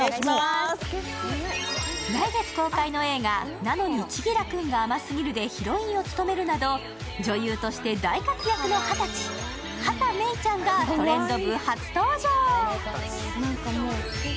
来月公開の映画「なのに、千輝くんが甘すぎる」でヒロインを務めるなど女優として大活躍の二十歳畑芽育ちゃんが「トレンド部」初登場。